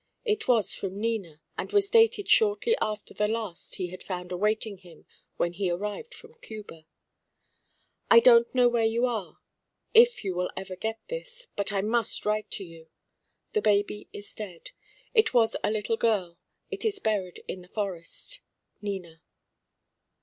It was from Nina, and was dated shortly after the last he had found awaiting him when he arrived from Cuba. I don't know where you are, if you will ever get this; but I must write to you. The baby is dead. It was a little girl. It is buried in the forest. NINA.